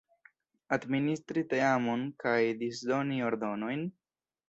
Administri teamon kaj disdoni ordonojn?